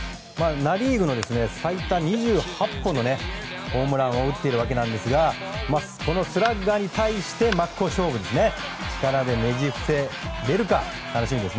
ナ・リーグの最多２８本のホームランを打っているわけなんですがこのスラッガーに対して真っ向勝負です。